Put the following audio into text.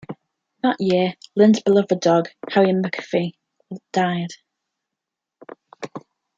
That year, Lynde's beloved dog, Harry MacAfee, died.